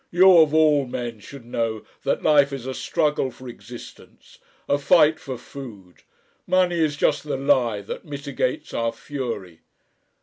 You of all men should know that life is a struggle for existence, a fight for food. Money is just the lie that mitigates our fury."